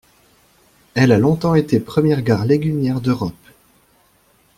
Elle a longtemps été première gare légumière d'Europe.